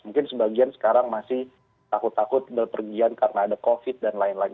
mungkin sebagian sekarang masih takut takut berpergian karena ada covid dan lain lain